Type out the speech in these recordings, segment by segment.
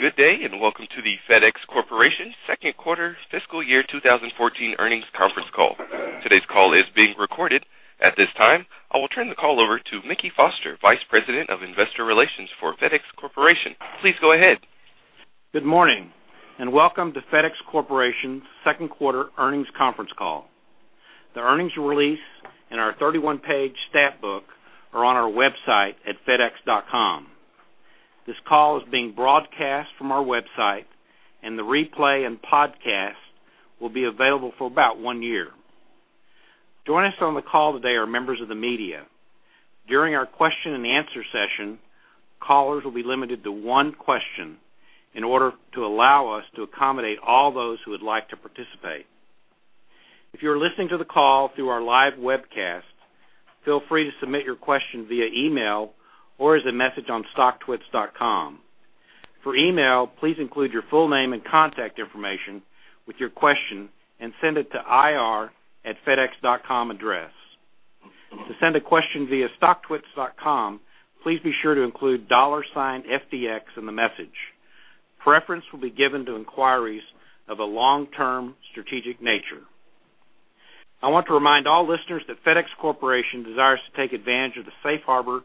Good day and welcome to the FedEx Corporation second quarter fiscal year 2014 earnings conference call. Today's call is being recorded. At this time, I will turn the call over to Mickey Foster, Vice President of Investor Relations for FedEx Corporation. Please go ahead. Good morning and welcome to FedEx Corporation's Second Quarter Earnings Conference Call. The earnings release and our 31-page stat book are on our website at fedex.com. This call is being broadcast from our website, and the replay and podcast will be available for about one year. Joining us on the call today are members of the media. During our question-and-answer session, callers will be limited to one question in order to allow us to accommodate all those who would like to participate. If you're listening to the call through our live webcast, feel free to submit your question via email or as a message on StockTwits.com. For email, please include your full name and contact information with your question and send it to ir@fedex.com address. To send a question via StockTwits.com, please be sure to include dollar sign FDX in the message. Preference will be given to inquiries of a long-term strategic nature. I want to remind all listeners that FedEx Corporation desires to take advantage of the Safe Harbor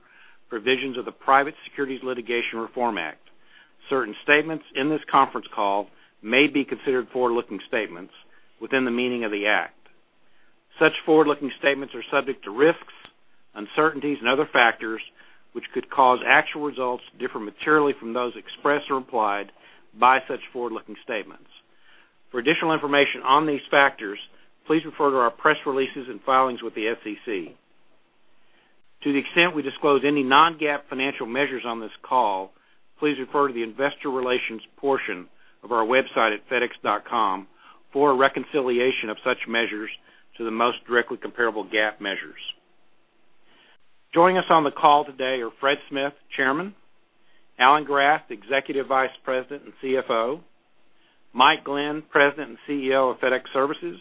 provisions of the Private Securities Litigation Reform Act. Certain statements in this conference call may be considered forward-looking statements within the meaning of the act. Such forward-looking statements are subject to risks, uncertainties, and other factors which could cause actual results to differ materially from those expressed or implied by such forward-looking statements. For additional information on these factors, please refer to our press releases and filings with the SEC. To the extent we disclose any non-GAAP financial measures on this call, please refer to the investor relations portion of our website at fedex.com for reconciliation of such measures to the most directly comparable GAAP measures. Joining us on the call today are Fred Smith, Chairman, Alan Graf, Executive Vice President and CFO, Mike Glenn, President and CEO of FedEx Services,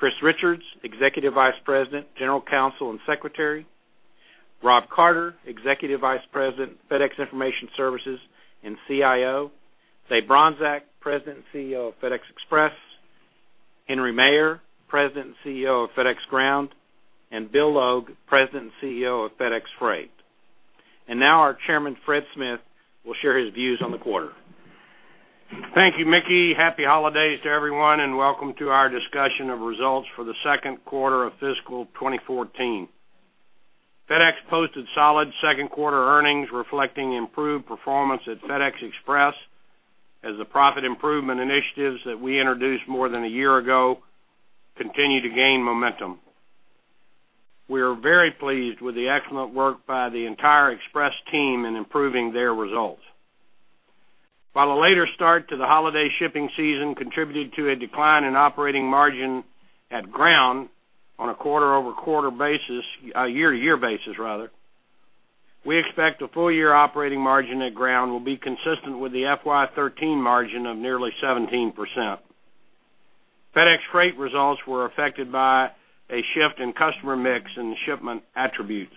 Chris Richards, Executive Vice President, General Counsel and Secretary, Rob Carter, Executive Vice President, FedEx Information Services and CIO, Dave Bronczek, President and CEO of FedEx Express, Henry Maier, President and CEO of FedEx Ground, and Bill Logue, President and CEO of FedEx Freight. Now our Chairman, Fred Smith, will share his views on the quarter. Thank you, Mickey. Happy holidays to everyone and welcome to our discussion of results for the second quarter of fiscal 2014. FedEx posted solid second quarter earnings reflecting improved performance at FedEx Express as the profit improvement initiatives that we introduced more than a year ago continue to gain momentum. We are very pleased with the excellent work by the entire Express team in improving their results. While a later start to the holiday shipping season contributed to a decline in operating margin at Ground on a quarter-over-quarter basis, a year-to-year basis rather, we expect the full-year operating margin at Ground will be consistent with the FY2013 margin of nearly 17%. FedEx Freight results were affected by a shift in customer mix and shipment attributes.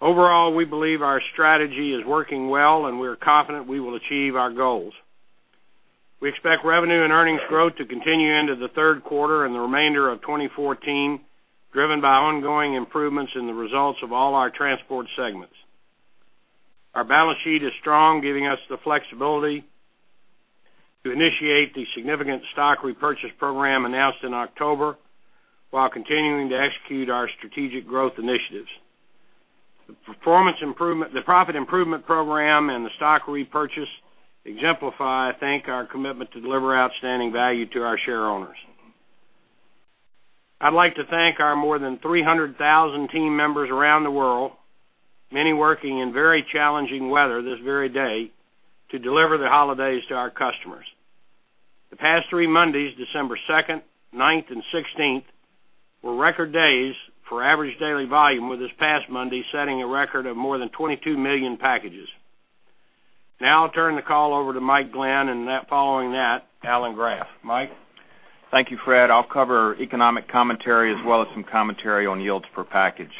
Overall, we believe our strategy is working well and we are confident we will achieve our goals. We expect revenue and earnings growth to continue into the third quarter and the remainder of 2014, driven by ongoing improvements in the results of all our transport segments. Our balance sheet is strong, giving us the flexibility to initiate the significant stock repurchase program announced in October while continuing to execute our strategic growth initiatives. The Profit Improvement Program and the stock repurchase exemplify, I think, our commitment to deliver outstanding value to our shareholders. I'd like to thank our more than 300,000 team members around the world, many working in very challenging weather this very day, to deliver the holidays to our customers. The past three Mondays, December 2nd, 9th, and 16th, were record days for average daily volume, with this past Monday setting a record of more than 22 million packages. Now I'll turn the call over to Mike Glenn and following that, Alan Graf. Mike. Thank you, Fred. I'll cover economic commentary as well as some commentary on yields per package.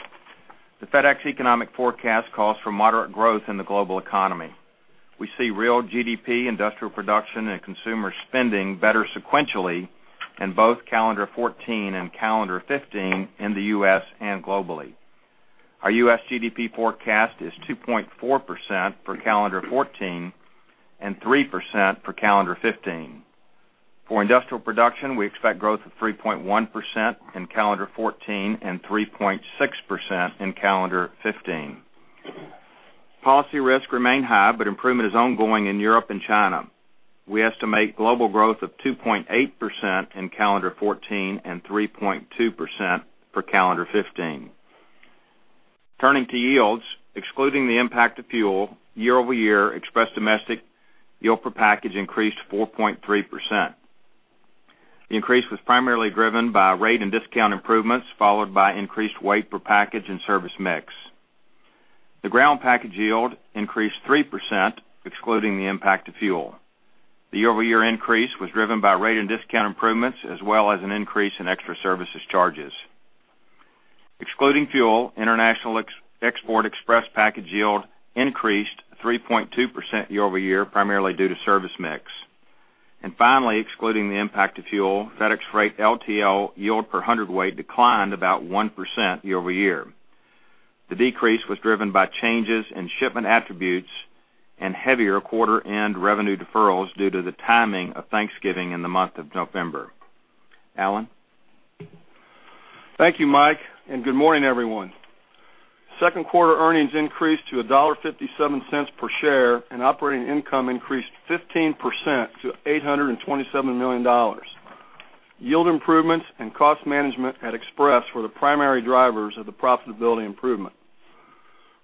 The FedEx economic forecast calls for moderate growth in the global economy. We see real GDP, industrial production, and consumer spending better sequentially in both calendar 2014 and calendar 2015 in the U.S. and globally. Our U.S. GDP forecast is 2.4% for calendar 2014 and 3% for calendar 2015. For industrial production, we expect growth of 3.1% in calendar 2014 and 3.6% in calendar 2015. Policy risk remains high, but improvement is ongoing in Europe and China. We estimate global growth of 2.8% in calendar 2014 and 3.2% for calendar 2015. Turning to yields, excluding the impact of fuel, year-over-year Express domestic yield per package increased 4.3%. The increase was primarily driven by rate and discount improvements, followed by increased weight per package and service mix. The Ground package yield increased 3%, excluding the impact of fuel. The year-over-year increase was driven by rate and discount improvements as well as an increase in extra services charges. Excluding fuel, international export Express package yield increased 3.2% year-over-year, primarily due to service mix. And finally, excluding the impact of fuel, FedEx Freight LTL yield per hundredweight declined about 1% year-over-year. The decrease was driven by changes in shipment attributes and heavier quarter-end revenue deferrals due to the timing of Thanksgiving in the month of November. Alan? Thank you, Mike, and good morning, everyone. Second quarter earnings increased to $1.57 per share, and operating income increased 15% to $827 million. Yield improvements and cost management at Express were the primary drivers of the profitability improvement.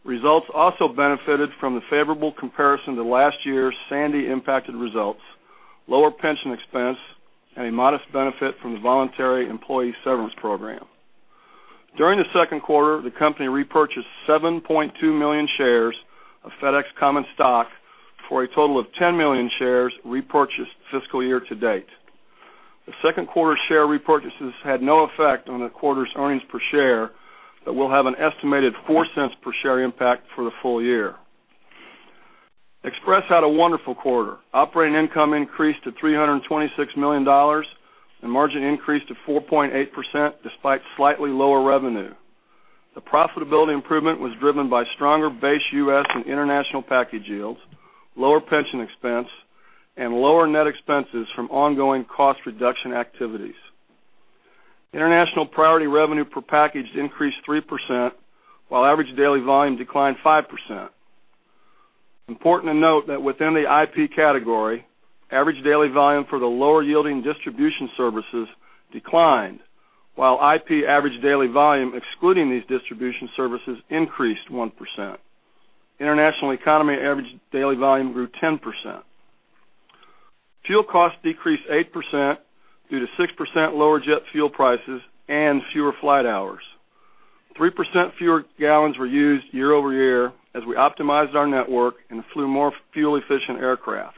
Results also benefited from the favorable comparison to last year's Sandy impacted results, lower pension expense, and a modest benefit from the voluntary employee severance program. During the second quarter, the company repurchased 7.2 million shares of FedEx Common Stock for a total of 10 million shares repurchased fiscal year to date. The second quarter share repurchases had no effect on the quarter's earnings per share, but will have an estimated $0.04 per share impact for the full year. Express had a wonderful quarter. Operating income increased to $326 million, and margin increased to 4.8% despite slightly lower revenue. The profitability improvement was driven by stronger base U.S. and international package yields, lower pension expense, and lower net expenses from ongoing cost reduction activities. International Priority revenue per package increased 3%, while average daily volume declined 5%. Important to note that within the IP category, average daily volume for the lower yielding distribution services declined, while IP average daily volume excluding these distribution services increased 1%. International Economy average daily volume grew 10%. Fuel costs decreased 8% due to 6% lower jet fuel prices and fewer flight hours. 3% fewer gallons were used year-over-year as we optimized our network and flew more fuel-efficient aircraft.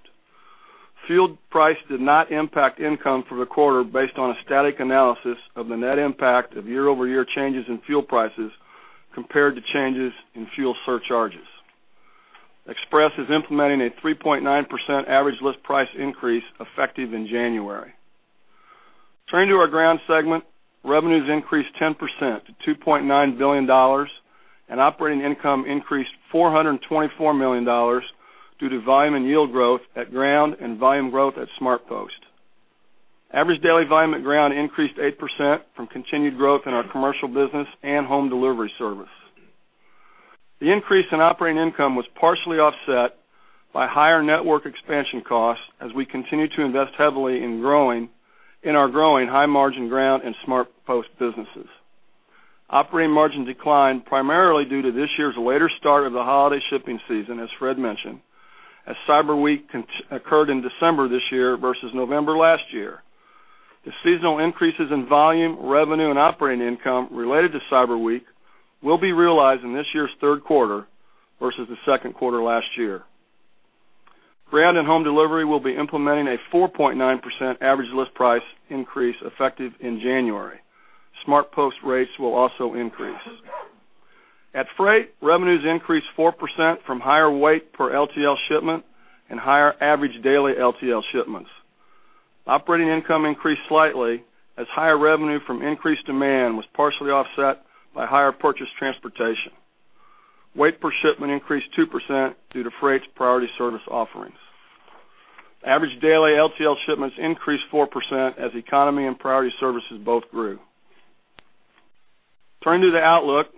Fuel price did not impact income for the quarter based on a static analysis of the net impact of year-over-year changes in fuel prices compared to changes in fuel surcharges. Express is implementing a 3.9% average list price increase effective in January. Turning to our Ground segment, revenues increased 10% to $2.9 billion, and operating income increased $424 million due to volume and yield growth at Ground and volume growth at SmartPost. Average daily volume at Ground increased 8% from continued growth in our commercial business and Home Delivery service. The increase in operating income was partially offset by higher network expansion costs as we continue to invest heavily in our growing high-margin Ground and SmartPost businesses. Operating margin declined primarily due to this year's later start of the holiday shipping season, as Fred mentioned, as Cyber Week occurred in December this year versus November last year. The seasonal increases in volume, revenue, and operating income related to Cyber Week will be realized in this year's third quarter versus the second quarter last year. Ground and Home Delivery will be implementing a 4.9% average list price increase effective in January. SmartPost rates will also increase. At Freight, revenues increased 4% from higher weight per LTL shipment and higher average daily LTL shipments. Operating income increased slightly as higher revenue from increased demand was partially offset by higher purchased transportation. Weight per shipment increased 2% due to Freight's Priority service offerings. Average daily LTL shipments increased 4% as Economy and Priority services both grew. Turning to the outlook,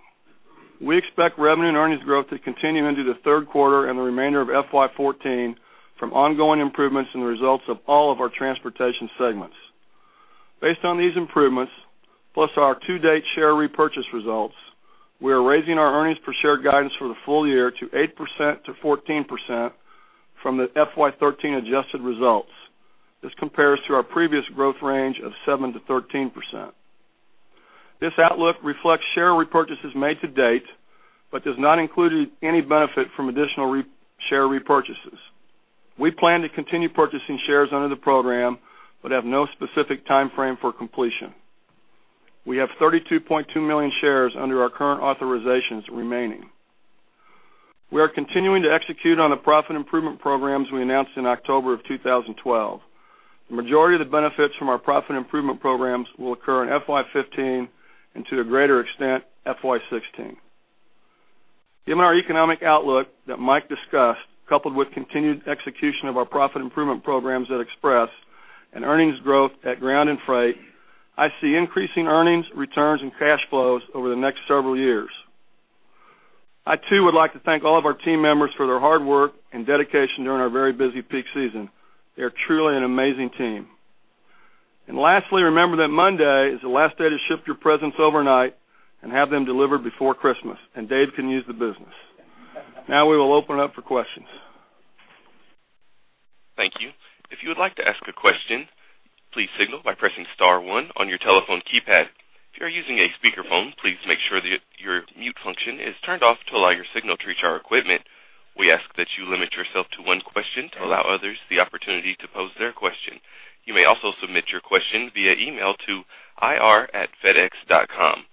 we expect revenue and earnings growth to continue into the third quarter and the remainder of FY 2014 from ongoing improvements in the results of all of our transportation segments. Based on these improvements, plus our to-date share repurchase results, we are raising our earnings per share guidance for the full year to 8%-14% from the FY 2013 adjusted results. This compares to our previous growth range of 7%-13%. This outlook reflects share repurchases made to date, but does not include any benefit from additional share repurchases. We plan to continue purchasing shares under the program, but have no specific timeframe for completion. We have 32.2 million shares under our current authorizations remaining. We are continuing to execute on the profit improvement programs we announced in October of 2012. The majority of the benefits from our profit improvement programs will occur in FY 2015 and to a greater extent FY 2016. Given our economic outlook that Mike discussed, coupled with continued execution of our profit improvement programs at Express and earnings growth at Ground and Freight, I see increasing earnings, returns, and cash flows over the next several years. I too would like to thank all of our team members for their hard work and dedication during our very busy peak season. They are truly an amazing team. And lastly, remember that Monday is the last day to ship your presents overnight and have them delivered before Christmas, and Dave can use the business. Now we will open up for questions. Thank you. If you would like to ask a question, please signal by pressing star one on your telephone keypad. If you're using a speakerphone, please make sure that your mute function is turned off to allow your signal to reach our equipment. We ask that you limit yourself to one question to allow others the opportunity to pose their question. You may also submit your question via email to ir@fedex.com.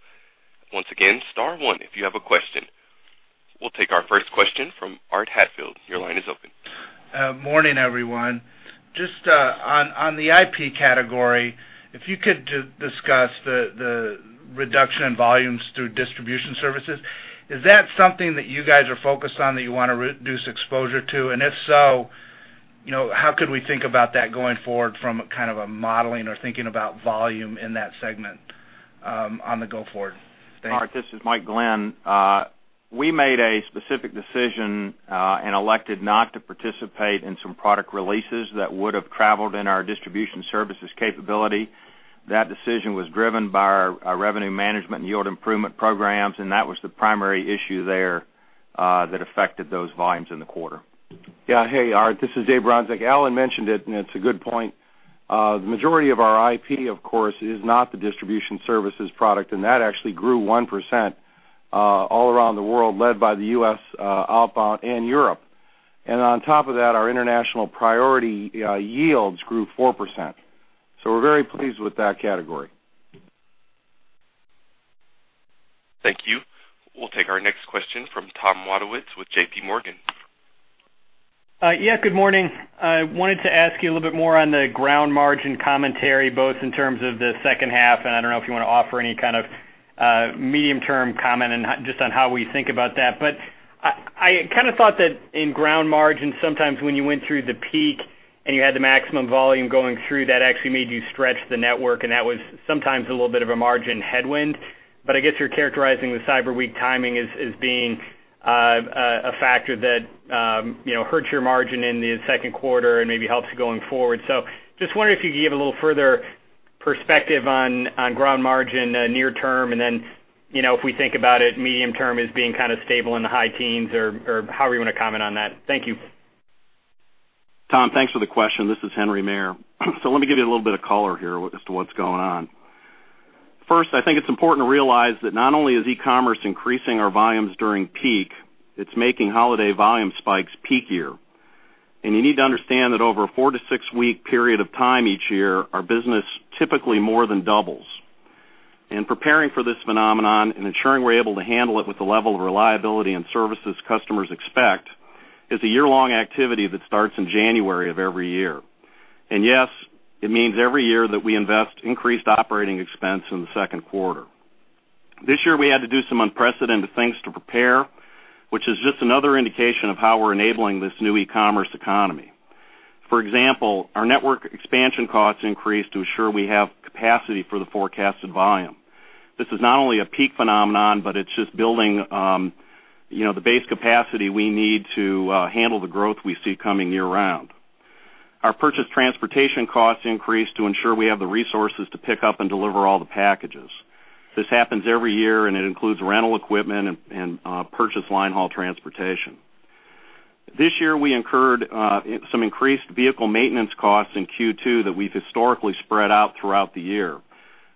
Once again, star one if you have a question. We'll take our first question from Art Hatfield. Your line is open. Morning, everyone. Just on the IP category, if you could discuss the reduction in volumes through distribution services, is that something that you guys are focused on that you want to reduce exposure to? And if so, how could we think about that going forward from kind of a modeling or thinking about volume in that segment on the go forward? Hi, this is Mike Glenn. We made a specific decision and elected not to participate in some product releases that would have traveled in our distribution services capability. That decision was driven by our revenue management and yield improvement programs, and that was the primary issue there that affected those volumes in the quarter. Yeah, hey, Art, this is Dave Bronczek. Alan mentioned it, and it's a good point. The majority of our IP, of course, is not the distribution services product, and that actually grew 1% all around the world, led by the U.S. outbound and Europe. And on top of that, our international Priority yields grew 4%. So we're very pleased with that category. Thank you. We'll take our next question from Tom Wadowitz with J.P. Morgan. Yeah, good morning. I wanted to ask you a little bit more on the Ground margin commentary, both in terms of the second half, and I don't know if you want to offer any kind of medium-term comment just on how we think about that? But I kind of thought that in Ground margin, sometimes when you went through the peak and you had the maximum volume going through, that actually made you stretch the network, and that was sometimes a little bit of a margin headwind. But I guess you're characterizing the Cyber Week timing as being a factor that hurt your margin in the second quarter and maybe helps you going forward. Just wondering if you could give a little further perspective on Ground margin near term, and then if we think about it medium term as being kind of stable in the high teens, or however you want to comment on that. Thank you. Tom, thanks for the question. This is Henry Maier. Let me give you a little bit of color here as to what's going on. First, I think it's important to realize that not only is e-commerce increasing our volumes during peak, it's making holiday volume spikes peakier year. You need to understand that over a 4 to 6-week period of time each year, our business typically more than doubles. Preparing for this phenomenon and ensuring we're able to handle it with the level of reliability and services customers expect is a year-long activity that starts in January of every year. Yes, it means every year that we invest increased operating expense in the second quarter. This year, we had to do some unprecedented things to prepare, which is just another indication of how we're enabling this new e-commerce economy. For example, our network expansion costs increased to ensure we have capacity for the forecasted volume. This is not only a peak phenomenon, but it's just building the base capacity we need to handle the growth we see coming year-round. Our purchased transportation costs increased to ensure we have the resources to pick up and deliver all the packages. This happens every year, and it includes rental equipment and purchased linehaul transportation. This year, we incurred some increased vehicle maintenance costs in Q2 that we've historically spread out throughout the year.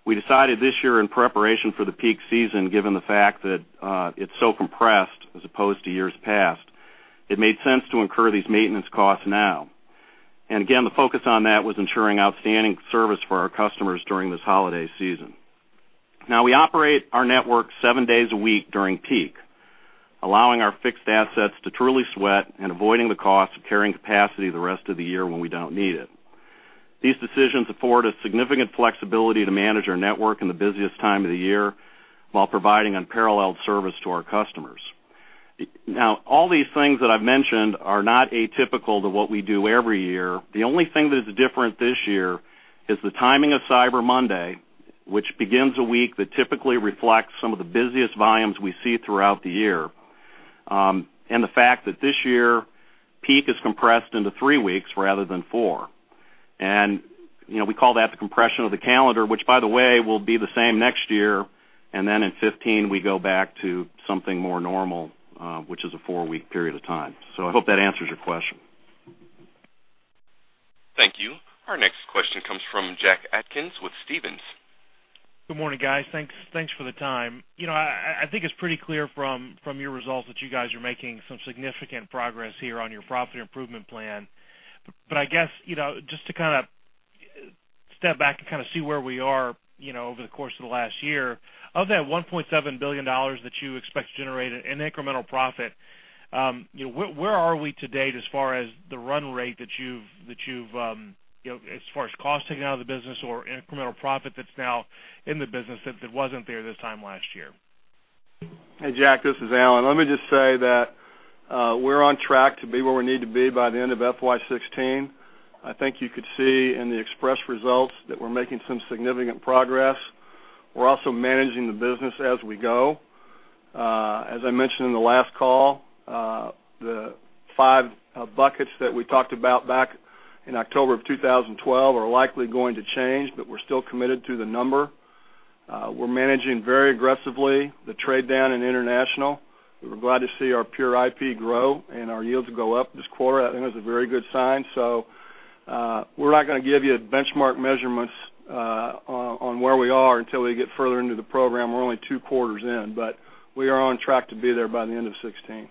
We decided this year in preparation for the peak season, given the fact that it's so compressed as opposed to years past, it made sense to incur these maintenance costs now. And again, the focus on that was ensuring outstanding service for our customers during this holiday season. Now, we operate our network seven days a week during peak, allowing our fixed assets to truly sweat and avoiding the cost of carrying capacity the rest of the year when we don't need it. These decisions afford us significant flexibility to manage our network in the busiest time of the year while providing unparalleled service to our customers. Now, all these things that I've mentioned are not atypical to what we do every year. The only thing that is different this year is the timing of Cyber Monday, which begins a week that typically reflects some of the busiest volumes we see throughout the year, and the fact that this year, peak is compressed into three weeks rather than four. And we call that the compression of the calendar, which, by the way, will be the same next year, and then in 2015, we go back to something more normal, which is a four-week period of time. So I hope that answers your question. Thank you. Our next question comes from Jack Atkins with Stephens. Good morning, guys. Thanks for the time. I think it's pretty clear from your results that you guys are making some significant progress here on your profit improvement plan. But I guess just to kind of step back and kind of see where we are over the course of the last year, of that $1.7 billion that you expect to generate an incremental profit, where are we today as far as the run rate that you've as far as cost taken out of the business or incremental profit that's now in the business that wasn't there this time last year? Hey, Jack, this is Alan. Let me just say that we're on track to be where we need to be by the end of FY 2016. I think you could see in the Express results that we're making some significant progress. We're also managing the business as we go. As I mentioned in the last call, the five buckets that we talked about back in October of 2012 are likely going to change, but we're still committed to the number. We're managing very aggressively the trade down and international. We were glad to see our pure IP grow and our yields go up this quarter. I think it was a very good sign. So we're not going to give you benchmark measurements on where we are until we get further into the program. We're only two quarters in, but we are on track to be there by the end of 2016.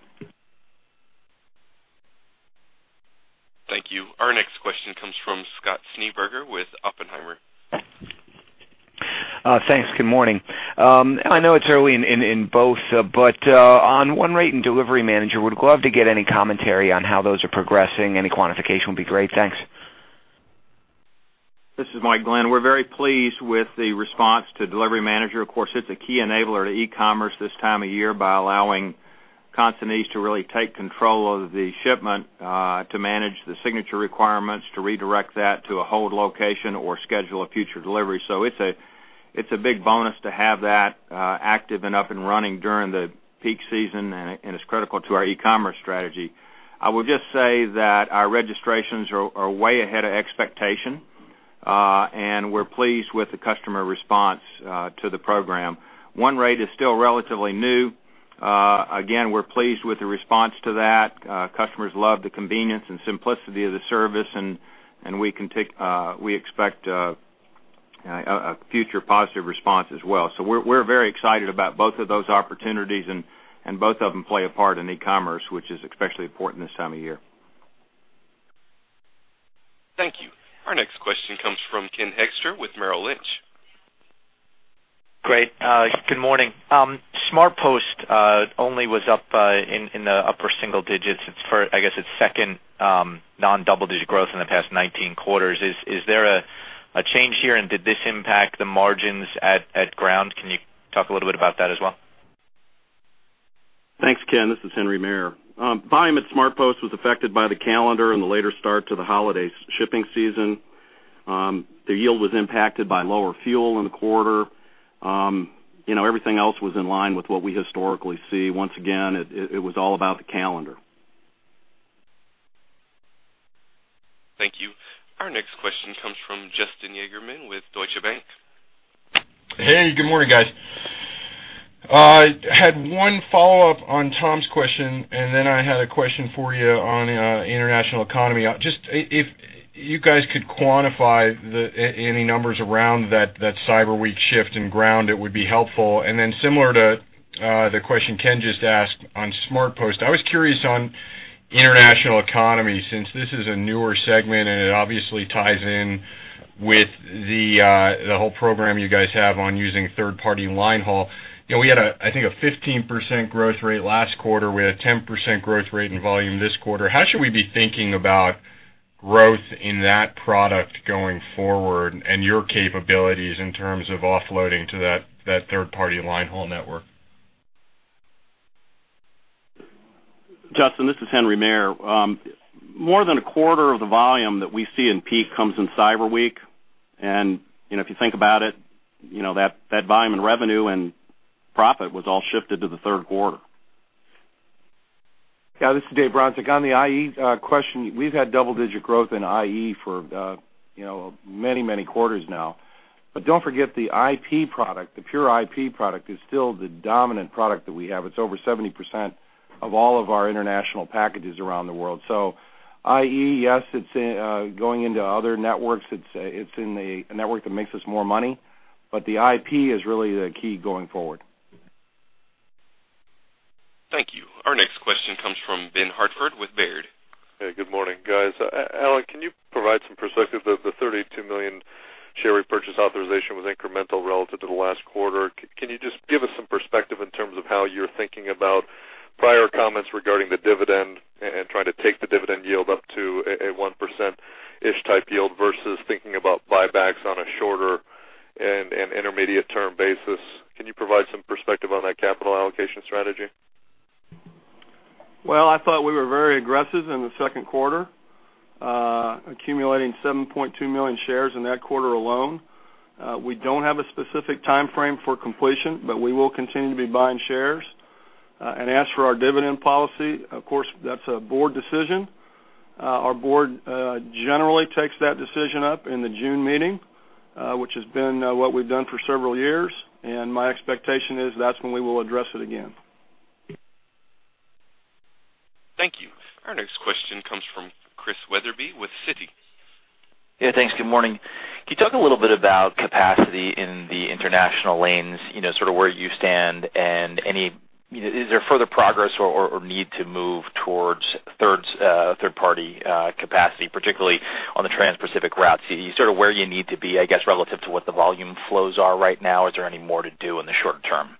Thank you. Our next question comes from Scott Schneeberger with Oppenheimer. Thanks. Good morning. I know it's early in both, but on One Rate and Delivery Manager, we'd love to get any commentary on how those are progressing. Any quantification would be great. Thanks. This is Mike Glenn. We're very pleased with the response to Delivery Manager. Of course, it's a key enabler to e-commerce this time of year by allowing companies to really take control of the shipment to manage the signature requirements, to redirect that to a hold location or schedule a future delivery. So it's a big bonus to have that active and up and running during the peak season, and it's critical to our e-commerce strategy. I will just say that our registrations are way ahead of expectation, and we're pleased with the customer response to the program. One Rate is still relatively new. Again, we're pleased with the response to that. Customers love the convenience and simplicity of the service, and we expect a future positive response as well. So we're very excited about both of those opportunities, and both of them play a part in e-commerce, which is especially important this time of year. Thank you. Our next question comes from Ken Hoexter with Merrill Lynch. Great. Good morning. SmartPost only was up in the upper single digits. I guess it's second non-double-digit growth in the past 19 quarters. Is there a change here, and did this impact the margins at Ground? Can you talk a little bit about that as well? Thanks, Ken. This is Henry Maier. Volume at SmartPost was affected by the calendar and the later start to the holiday shipping season. The yield was impacted by lower fuel in the quarter. Everything else was in line with what we historically see. Once again, it was all about the calendar. Thank you. Our next question comes from Justin Yagerman with Deutsche Bank. Hey, good morning, guys. I had one follow-up on Tom's question, and then I had a question for you on International Economy. Just if you guys could quantify any numbers around that Cyber Week shift in Ground, it would be helpful. And then similar to the question Ken just asked on SmartPost, I was curious on International Economy since this is a newer segment, and it obviously ties in with the whole program you guys have on using third-party linehaul. We had, I think, a 15% growth rate last quarter. We had a 10% growth rate in volume this quarter. How should we be thinking about growth in that product going forward and your capabilities in terms of offloading to that third-party linehaul network? Justin, this is Henry Maier. More than a quarter of the volume that we see in peak comes in Cyber Week. If you think about it, that volume and revenue and profit was all shifted to the third quarter. Yeah, this is Dave Bronczek. On the IE question, we've had double-digit growth in IE for many, many quarters now. But don't forget the IP product. The pure IP product is still the dominant product that we have. It's over 70% of all of our international packages around the world. So IE, yes, it's going into other networks. It's in a network that makes us more money, but the IP is really the key going forward. Thank you. Our next question comes from Ben Hartford with Baird. Hey, good morning, guys. Alan, can you provide some perspective of the 32 million share repurchase authorization with incremental relative to the last quarter? Can you just give us some perspective in terms of how you're thinking about prior comments regarding the dividend and trying to take the dividend yield up to a 1%-ish type yield versus thinking about buybacks on a shorter and intermediate-term basis? Can you provide some perspective on that capital allocation strategy? Well, I thought we were very aggressive in the second quarter, accumulating 7.2 million shares in that quarter alone. We don't have a specific timeframe for completion, but we will continue to be buying shares. As for our dividend policy, of course, that's a board decision. Our board generally takes that decision up in the June meeting, which has been what we've done for several years. My expectation is that's when we will address it again. Thank you. Our next question comes from Chris Wetherbee with Citi. Yeah, thanks. Good morning. Can you talk a little bit about capacity in the international lanes, sort of where you stand, and is there further progress or need to move towards third-party capacity, particularly on the Trans-Pacific routes? You started where you need to be, I guess, relative to what the volume flows are right now. Is there any more to do in the short term?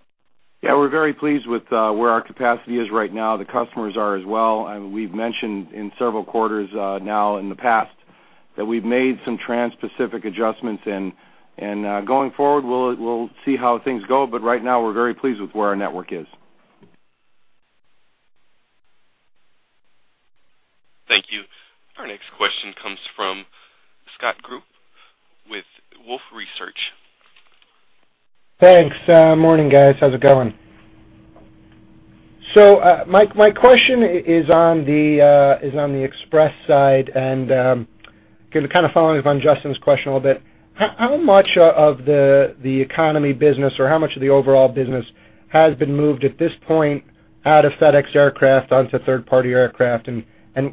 Yeah, we're very pleased with where our capacity is right now. The customers are as well. We've mentioned in several quarters now in the past that we've made some Trans-Pacific adjustments. And going forward, we'll see how things go. But right now, we're very pleased with where our network is. Thank you. Our next question comes from Scott Group with Wolfe Research. Thanks. Morning, guys. How's it going? So my question is on the Express side, and kind of following up on Justin's question a little bit. How much of the Economy business, or how much of the overall business, has been moved at this point out of FedEx Aircraft onto third-party aircraft, and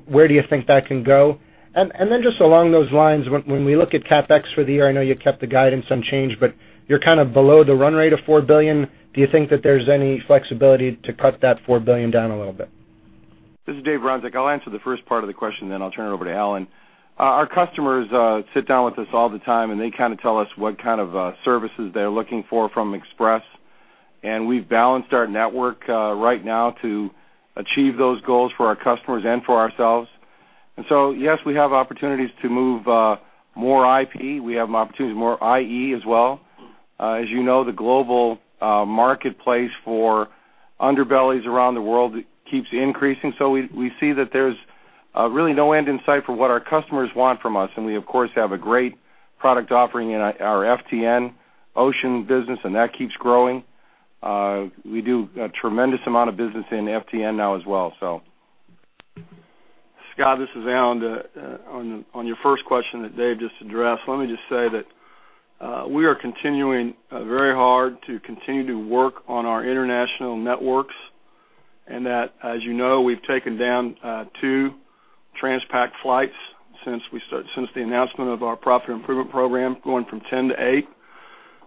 where do you think that can go? And then just along those lines, when we look at CapEx for the year, I know you kept the guidance unchanged, but you're kind of below the run rate of $4 billion. Do you think that there's any flexibility to cut that $4 billion down a little bit? This is Dave Bronczek. I'll answer the first part of the question, then I'll turn it over to Alan. Our customers sit down with us all the time, and they kind of tell us what kind of services they're looking for from Express. And we've balanced our network right now to achieve those goals for our customers and for ourselves. And so, yes, we have opportunities to move more IP. We have opportunities for more IE as well. As you know, the global marketplace for underbellies around the world keeps increasing. So we see that there's really no end in sight for what our customers want from us. And we, of course, have a great product offering in our FTN Ocean business, and that keeps growing. We do a tremendous amount of business in FTN now as well, so. Scott, this is Alan. On your first question that Dave just addressed, let me just say that we are continuing very hard to continue to work on our international networks, and that, as you know, we've taken down 2 Transpacific flights since the announcement of our Profit Improvement Program, going from 10 to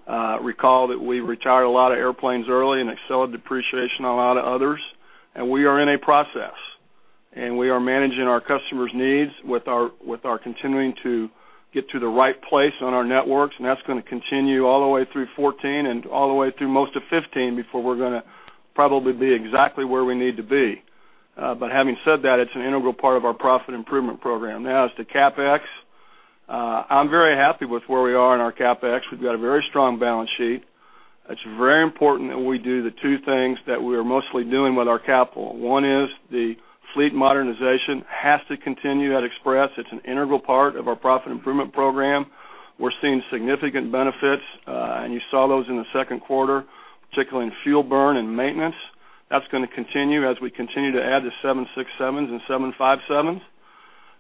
8. Recall that we retired a lot of airplanes early and accelerated depreciation on a lot of others. We are in a process, and we are managing our customers' needs with our continuing to get to the right place on our networks. That's going to continue all the way through 2014 and all the way through most of 2015 before we're going to probably be exactly where we need to be. But having said that, it's an integral part of our Profit Improvement Program. Now, as to CapEx, I'm very happy with where we are in our CapEx. We've got a very strong balance sheet. It's very important that we do the 2 things that we are mostly doing with our capital. One is the fleet modernization has to continue at Express. It's an integral part of our Profit Improvement Program. We're seeing significant benefits, and you saw those in the second quarter, particularly in fuel burn and maintenance. That's going to continue as we continue to add the 767s and 757s.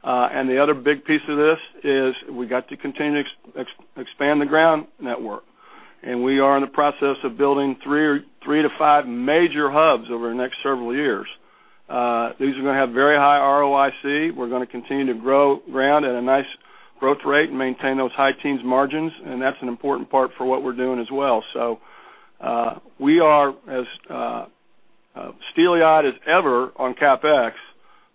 The other big piece of this is we got to continue to expand the Ground network. We are in the process of building 3 to 5 major hubs over the next several years. These are going to have very high ROIC. We're going to continue to grow Ground at a nice growth rate and maintain those high teens margins. And that's an important part for what we're doing as well. So we are as steely-eyed as ever on CapEx,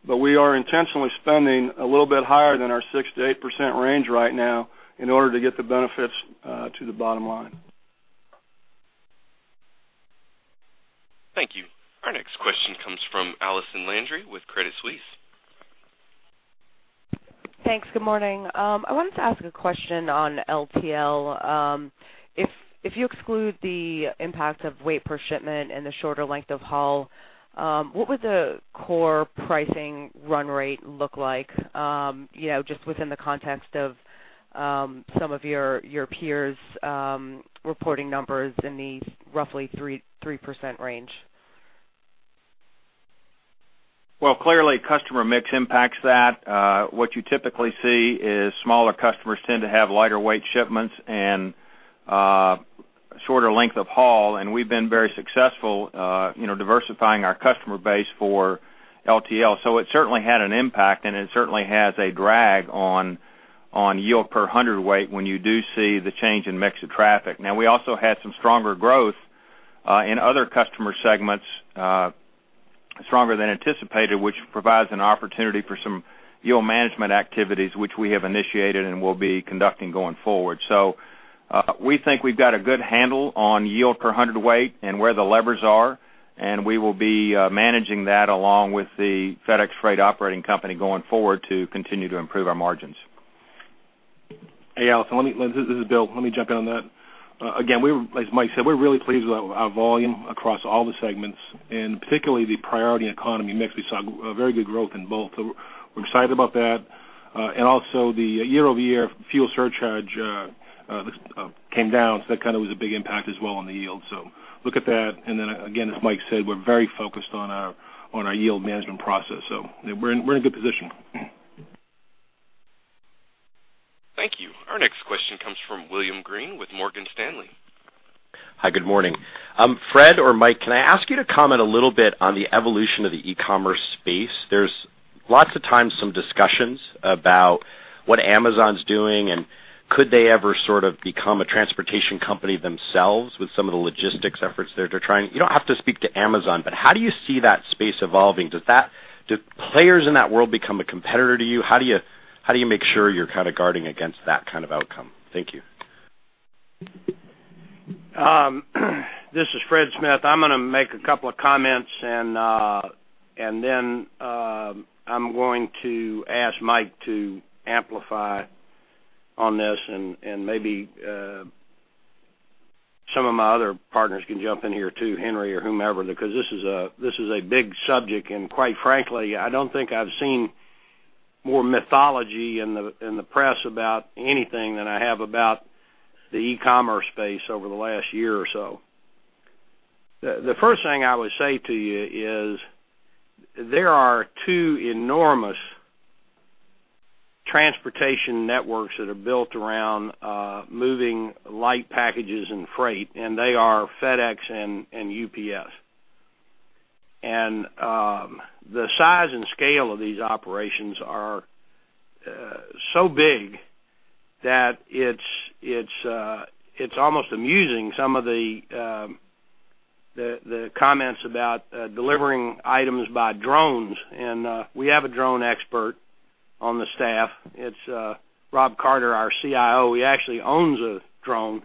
but we are intentionally spending a little bit higher than our 6%-8% range right now in order to get the benefits to the bottom line. Thank you. Our next question comes from Allison Landry with Credit Suisse. Thanks. Good morning. I wanted to ask a question on LTL. If you exclude the impact of weight per shipment and the shorter length of haul, what would the core pricing run rate look like just within the context of some of your peers' reporting numbers in the roughly 3% range? Well, clearly, customer mix impacts that. What you typically see is smaller customers tend to have lighter weight shipments and shorter length of haul. And we've been very successful diversifying our customer base for LTL. So it certainly had an impact, and it certainly has a drag on yield per hundredweight when you do see the change in mix of traffic. Now, we also had some stronger growth in other customer segments, stronger than anticipated, which provides an opportunity for some yield management activities, which we have initiated and will be conducting going forward. So we think we've got a good handle on yield per hundredweight and where the levers are, and we will be managing that along with the FedEx Freight Operating Company going forward to continue to improve our margins. Hey, Alison. This is Bill. Let me jump in on that. Again, as Mike said, we're really pleased with our volume across all the segments, and particularly the Priority Economy mix. We saw very good growth in both. We're excited about that. And also, the year-over-year fuel surcharge came down, so that kind of was a big impact as well on the yield. So look at that. And then, again, as Mike said, we're very focused on our yield management process. So we're in a good position. Thank you. Our next question comes from William Greene with Morgan Stanley. Hi, good morning. Fred or Mike, can I ask you to comment a little bit on the evolution of the e-commerce space? There's lots of times some discussions about what Amazon's doing and could they ever sort of become a transportation company themselves with some of the logistics efforts they're trying. You don't have to speak to Amazon, but how do you see that space evolving? Do players in that world become a competitor to you? How do you make sure you're kind of guarding against that kind of outcome? Thank you. This is Fred Smith. I'm going to make a couple of comments, and then I'm going to ask Mike to amplify on this, and maybe some of my other partners can jump in here too, Henry or whomever, because this is a big subject. Quite frankly, I don't think I've seen more mythology in the press about anything than I have about the e-commerce space over the last year or so. The first thing I would say to you is there are two enormous transportation networks that are built around moving light packages and freight, and they are FedEx and UPS. The size and scale of these operations are so big that it's almost amusing some of the comments about delivering items by drones. We have a drone expert on the staff. It's Rob Carter, our CIO. He actually owns a drone,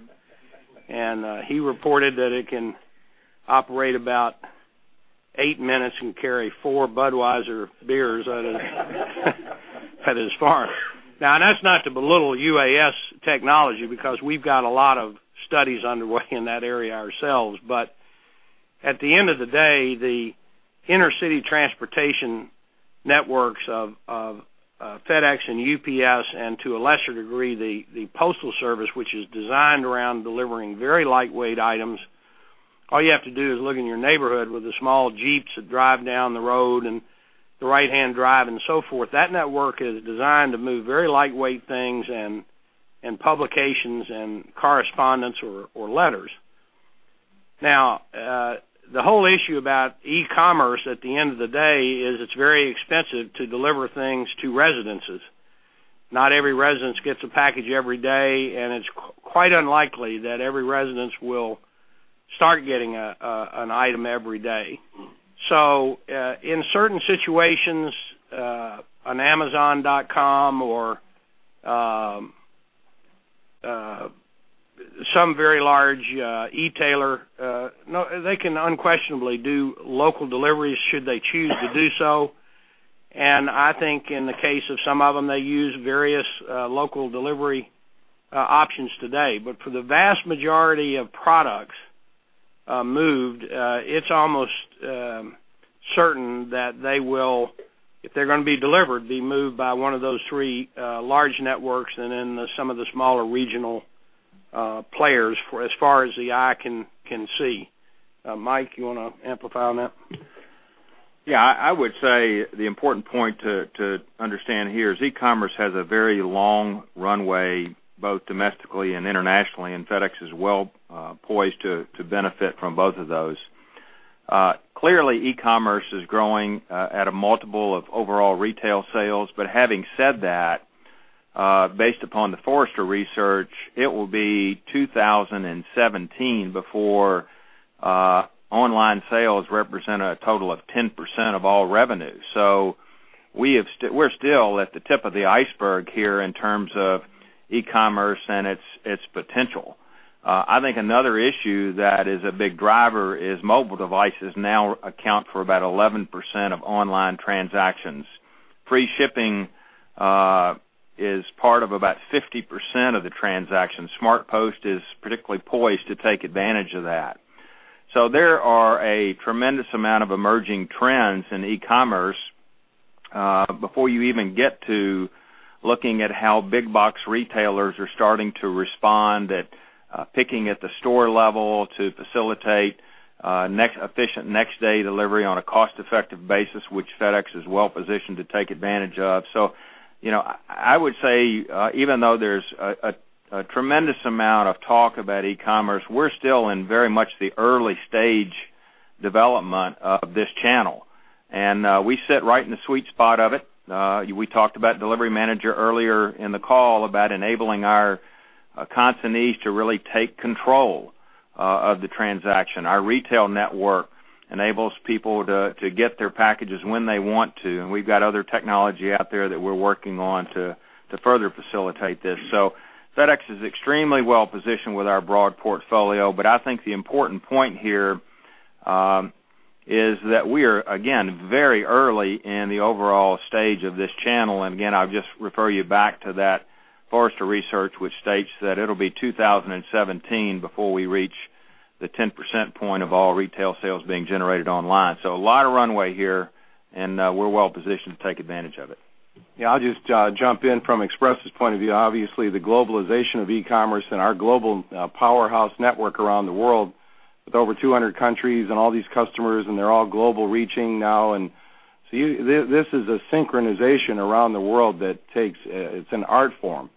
and he reported that it can operate about 8 minutes and carry 4 Budweiser beers at his farm. Now, that's not to belittle UAS technology because we've got a lot of studies underway in that area ourselves. But at the end of the day, the inner-city transportation networks of FedEx and UPS, and to a lesser degree, the Postal Service, which is designed around delivering very lightweight items. All you have to do is look in your neighborhood with the small Jeeps that drive down the road and the right-hand drive and so forth. That network is designed to move very lightweight things and publications and correspondence or letters. Now, the whole issue about e-commerce at the end of the day is it's very expensive to deliver things to residences. Not every resident gets a package every day, and it's quite unlikely that every resident will start getting an item every day. So in certain situations, an Amazon.com or some very large e-tailer, they can unquestionably do local deliveries should they choose to do so. And I think in the case of some of them, they use various local delivery options today. But for the vast majority of products moved, it's almost certain that they will, if they're going to be delivered, be moved by one of those three large networks and then some of the smaller regional players as far as the eye can see. Mike, you want to amplify on that? Yeah. I would say the important point to understand here is e-commerce has a very long runway both domestically and internationally, and FedEx is well poised to benefit from both of those. Clearly, e-commerce is growing at a multiple of overall retail sales. But having said that, based upon the Forrester Research, it will be 2017 before online sales represent a total of 10% of all revenue. So we're still at the tip of the iceberg here in terms of e-commerce and its potential. I think another issue that is a big driver is mobile devices now account for about 11% of online transactions. Free shipping is part of about 50% of the transactions. SmartPost is particularly poised to take advantage of that. So there are a tremendous amount of emerging trends in e-commerce. Before you even get to looking at how big box retailers are starting to respond, picking at the store level to facilitate efficient next-day delivery on a cost-effective basis, which FedEx is well positioned to take advantage of. So I would say, even though there's a tremendous amount of talk about e-commerce, we're still in very much the early stage development of this channel. And we sit right in the sweet spot of it. We talked about Delivery Manager earlier in the call about enabling our consignees to really take control of the transaction. Our retail network enables people to get their packages when they want to. And we've got other technology out there that we're working on to further facilitate this. So FedEx is extremely well positioned with our broad portfolio. I think the important point here is that we are, again, very early in the overall stage of this channel. Again, I'll just refer you back to that Forrester Research, which states that it'll be 2017 before we reach the 10% point of all retail sales being generated online. A lot of runway here, and we're well positioned to take advantage of it. Yeah. I'll just jump in from Express's point of view. Obviously, the globalization of e-commerce and our global powerhouse network around the world with over 200 countries and all these customers, and they're all global reaching now. And so this is a synchronization around the world that takes. It's an art form,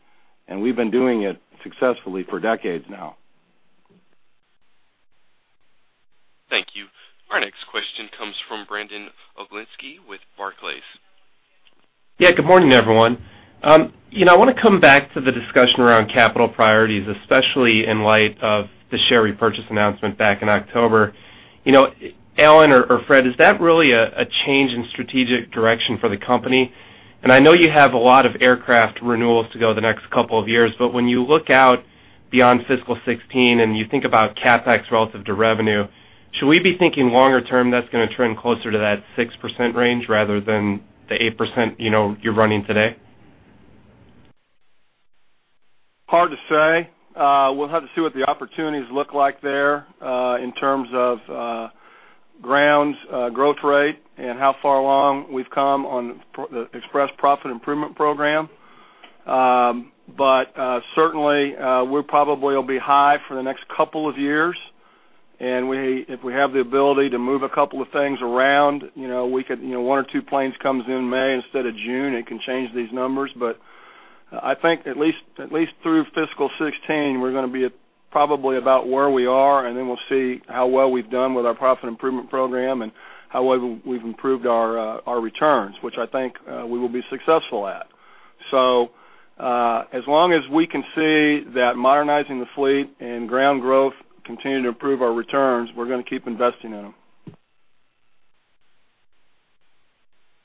and we've been doing it successfully for decades now. Thank you. Our next question comes from Brandon Oglenski with Barclays. Yeah. Good morning, everyone. I want to come back to the discussion around capital priorities, especially in light of the share repurchase announcement back in October. Alan or Fred, is that really a change in strategic direction for the company? And I know you have a lot of aircraft renewals to go the next couple of years, but when you look out beyond fiscal 2016 and you think about CapEx relative to revenue, should we be thinking longer term that's going to turn closer to that 6% range rather than the 8% you're running today? Hard to say. We'll have to see what the opportunities look like there in terms of Ground growth rate and how far along we've come on the Express Profit Improvement Program. But certainly, we probably will be high for the next couple of years. And if we have the ability to move a couple of things around, we could, one or two planes come in May instead of June. It can change these numbers. But I think at least through fiscal 2016, we're going to be probably about where we are, and then we'll see how well we've done with our profit improvement program and how well we've improved our returns, which I think we will be successful at. So as long as we can see that modernizing the fleet and Ground growth continue to improve our returns, we're going to keep investing in them.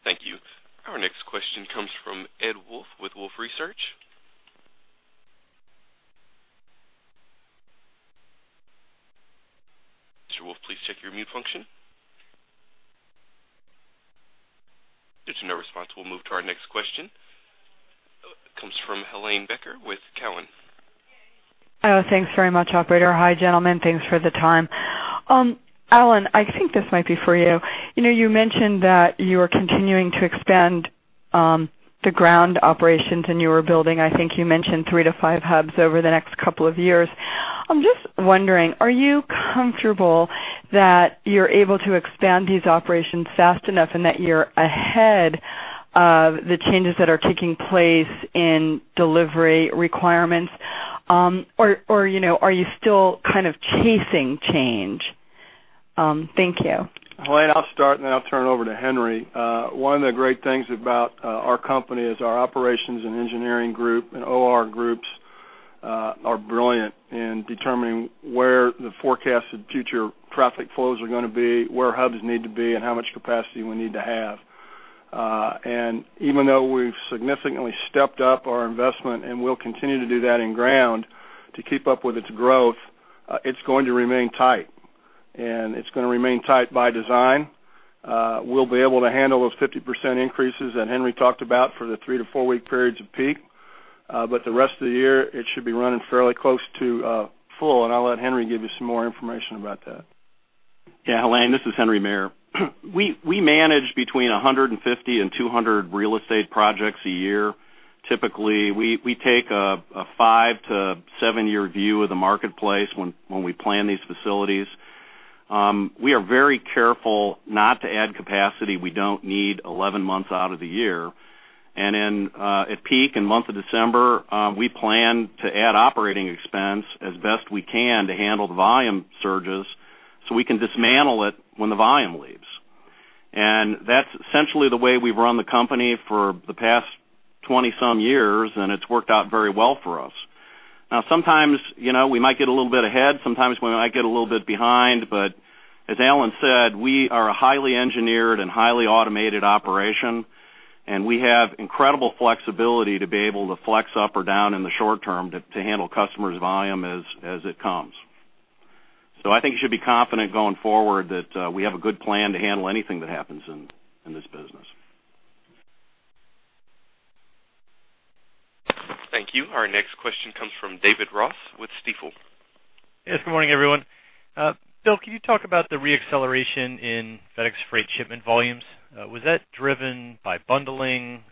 Thank you. Our next question comes from Ed Wolfe with Wolfe Research. Mr. Wolfe, please check your mute function. There's no response. We'll move to our next question. Comes from Helane Becker with Cowen. Oh, thanks very much, Operator. Hi, gentlemen. Thanks for the time. Alan, I think this might be for you. You mentioned that you are continuing to expand the Ground operations in your building. I think you mentioned 3 to 5 hubs over the next couple of years. I'm just wondering, are you comfortable that you're able to expand these operations fast enough and that you're ahead of the changes that are taking place in delivery requirements, or are you still kind of chasing change? Thank you. Helane, I'll start, and then I'll turn it over to Henry. One of the great things about our company is our operations and engineering group and OR groups are brilliant in determining where the forecasted future traffic flows are going to be, where hubs need to be, and how much capacity we need to have. Even though we've significantly stepped up our investment, and we'll continue to do that in Ground to keep up with its growth, it's going to remain tight. It's going to remain tight by design. We'll be able to handle those 50% increases that Henry talked about for the 3-week to 4-week periods of peak. But the rest of the year, it should be running fairly close to full. I'll let Henry give you some more information about that. Yeah. Helane, this is Henry Maier. We manage between 150 and 200 real estate projects a year. Typically, we take a 5 to 7-year view of the marketplace when we plan these facilities. We are very careful not to add capacity we don't need 11 months out of the year. And then at peak in the month of December, we plan to add operating expense as best we can to handle the volume surges so we can dismantle it when the volume leaves. And that's essentially the way we've run the company for the past 20-some years, and it's worked out very well for us. Now, sometimes we might get a little bit ahead. Sometimes we might get a little bit behind. As Alan said, we are a highly engineered and highly automated operation, and we have incredible flexibility to be able to flex up or down in the short term to handle customers' volume as it comes. I think you should be confident going forward that we have a good plan to handle anything that happens in this business. Thank you. Our next question comes from David Ross with Stifel. Yes. Good morning, everyone. Bill, can you talk about the re-acceleration in FedEx Freight shipment volumes? Was that driven by bundling,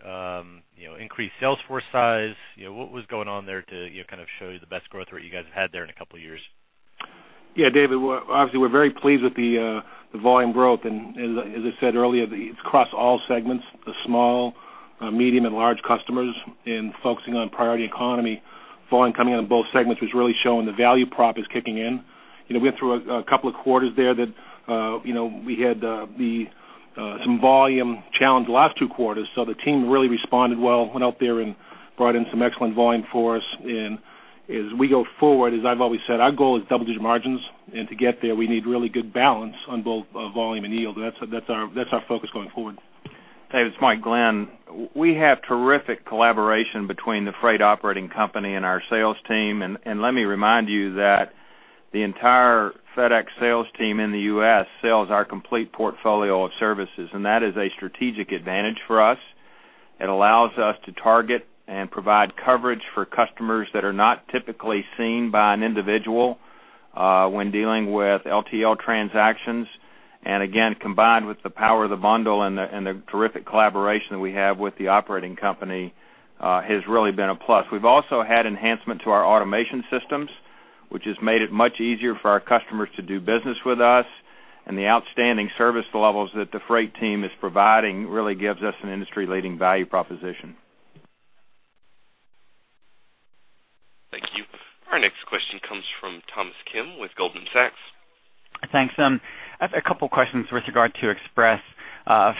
increased sales force size? What was going on there to kind of show you the best growth that you guys have had there in a couple of years? Yeah. David, obviously, we're very pleased with the volume growth. And as I said earlier, it's across all segments, the small, medium, and large customers. And focusing on Priority Economy, volume coming out of both segments was really showing the value prop is kicking in. We went through a couple of quarters there that we had some volume challenge the last two quarters. So the team really responded well, went out there and brought in some excellent volume for us. And as we go forward, as I've always said, our goal is double-digit margins. And to get there, we need really good balance on both volume and yield. That's our focus going forward. David, it's Mike Glenn. We have terrific collaboration between the Freight operating company and our sales team. And let me remind you that the entire FedEx sales team in the U.S. sells our complete portfolio of services. And that is a strategic advantage for us. It allows us to target and provide coverage for customers that are not typically seen by an individual when dealing with LTL transactions. And again, combined with the power of the bundle and the terrific collaboration that we have with the operating company has really been a plus. We've also had enhancement to our automation systems, which has made it much easier for our customers to do business with us. And the outstanding service levels that the Freight team is providing really gives us an industry-leading value proposition. Thank you. Our next question comes from Thomas Kim with Goldman Sachs. Thanks. A couple of questions with regard to Express.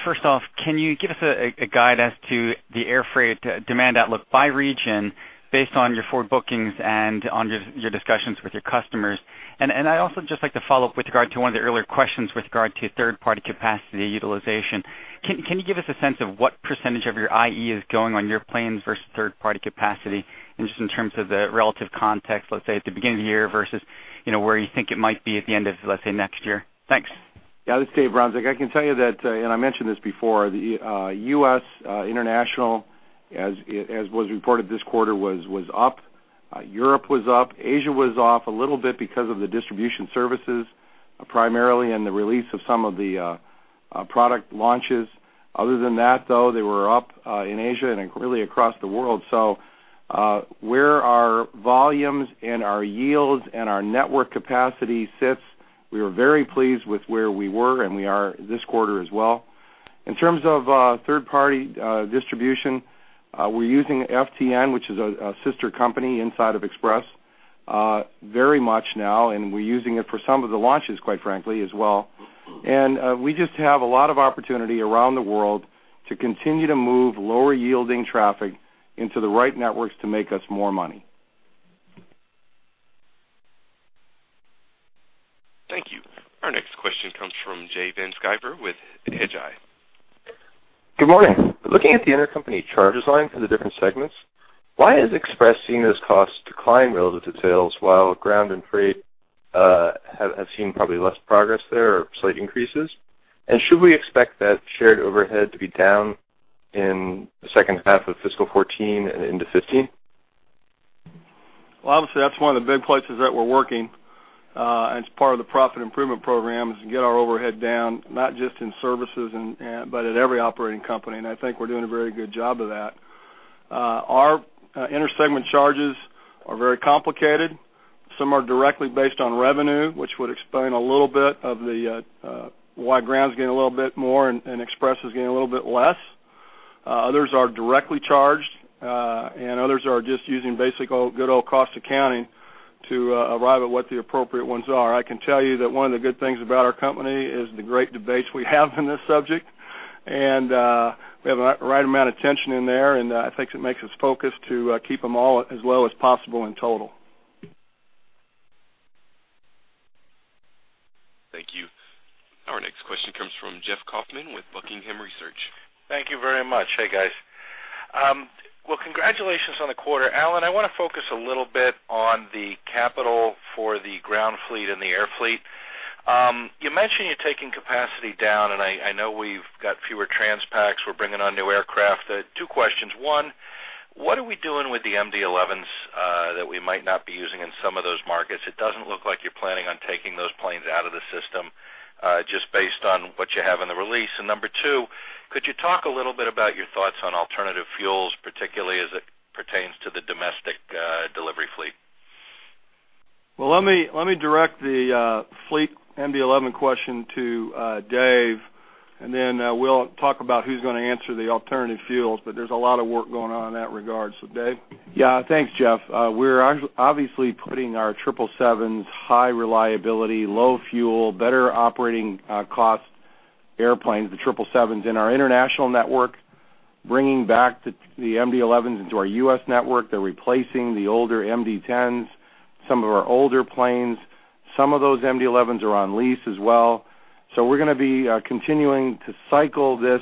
First off, can you give us a guide as to the air freight demand outlook by region based on your forward bookings and on your discussions with your customers? And I'd also just like to follow up with regard to one of the earlier questions with regard to third-party capacity utilization. Can you give us a sense of what percentage of your IE is going on your planes versus third-party capacity? And just in terms of the relative context, let's say at the beginning of the year versus where you think it might be at the end of, let's say, next year. Thanks. Yeah. This is Dave Bronczek. I can tell you that, and I mentioned this before, the U.S. international, as was reported this quarter, was up. Europe was up. Asia was off a little bit because of the distribution services primarily and the release of some of the product launches. Other than that, though, they were up in Asia and really across the world. So where our volumes and our yields and our network capacity sits, we were very pleased with where we were and we are this quarter as well. In terms of third-party distribution, we're using FTN, which is a sister company inside of Express very much now. And we're using it for some of the launches, quite frankly, as well. And we just have a lot of opportunity around the world to continue to move lower-yielding traffic into the right networks to make us more money. Thank you. Our next question comes from Jay Van Sciver with Hedgeye. Good morning. Looking at the intercompany charge design for the different segments, why has Express seen its cost decline relative to sales while Ground and Freight have seen probably less progress there or slight increases? And should we expect that shared overhead to be down in the second half of fiscal 2014 and into 2015? Well, obviously, that's one of the big places that we're working. And it's part of the Profit Improvement Program is to get our overhead down, not just in services, but at every operating company. And I think we're doing a very good job of that. Our intersegment charges are very complicated. Some are directly based on revenue, which would explain a little bit of why Ground's getting a little bit more and Express is getting a little bit less. Others are directly charged, and others are just using basic good old cost accounting to arrive at what the appropriate ones are. I can tell you that one of the good things about our company is the great debates we have on this subject. And we have the right amount of tension in there. And I think it makes us focus to keep them all as low as possible in total. Thank you. Our next question comes from Jeff Kauffman with Buckingham Research. Thank you very much. Hey, guys. Well, congratulations on the quarter. Alan, I want to focus a little bit on the capital for the Ground fleet and the air fleet. You mentioned you're taking capacity down, and I know we've got fewer Trans-Pacs. We're bringing on new aircraft. Two questions. One, what are we doing with the MD-11s that we might not be using in some of those markets? It doesn't look like you're planning on taking those planes out of the system just based on what you have in the release. And number two, could you talk a little bit about your thoughts on alternative fuels, particularly as it pertains to the domestic delivery fleet? Well, let me direct the fleet MD-11 question to Dave, and then we'll talk about who's going to answer the alternative fuels. But there's a lot of work going on in that regard. So Dave? Yeah. Thanks, Jeff. We're obviously putting our 777s, high reliability, low fuel, better operating cost airplanes, the 777s, in our international network, bringing back the MD-11s into our U.S. network. They're replacing the older MD-10s, some of our older planes. Some of those MD-11s are on lease as well. So we're going to be continuing to cycle this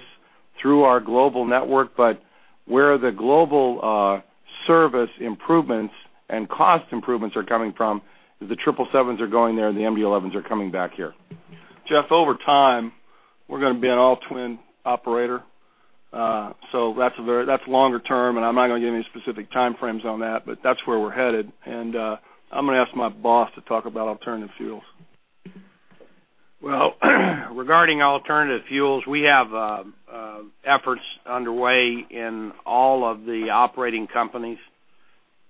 through our global network. But where the global service improvements and cost improvements are coming from is the 777s are going there, and the MD-11s are coming back here. Jeff, over time, we're going to be an all-twin operator. So that's longer term. And I'm not going to give any specific time frames on that, but that's where we're headed. And I'm going to ask my boss to talk about alternative fuels. Well, regarding alternative fuels, we have efforts underway in all of the operating companies.